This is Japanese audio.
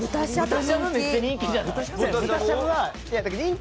豚しゃぶめっちゃ人気じゃない？